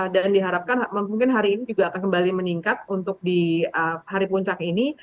dan diharapkan mungkin hari ini juga akan kembali meningkat untuk di hari puncak ini